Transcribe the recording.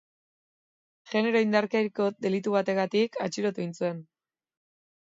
Genero-indarkeriako delitu batengatik, atxilotu egin zuten.